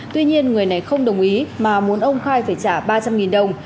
tuy nhiên người này không đồng ý mà muốn ông khai phải trả ba trăm linh đồng